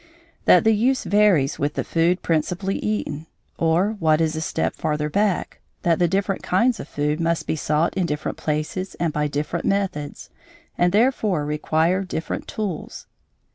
That the use varies with the food principally eaten; or, what is a step farther back, that the different kinds of food must be sought in different places and by different methods, and therefore require different tools.